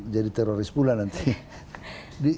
jadi teroris pula nanti